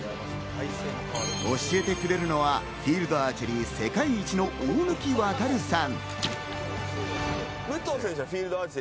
教えてくれるのはフィールドアーチェリー世界一の大貫渉さん。